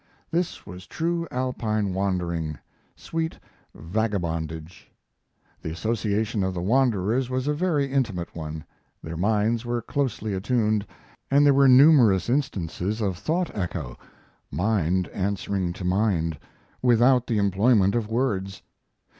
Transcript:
This was true Alpine wandering sweet vagabondage. The association of the wanderers was a very intimate one. Their minds were closely attuned, and there were numerous instances of thought echo mind answering to mind without the employment of words.